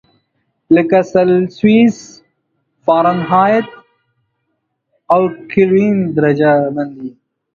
لکه سلسیوس، فارنهایت او کلوین درجه بندي.